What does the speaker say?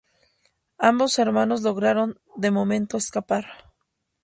Ambos hermanos lograron de momento escapar.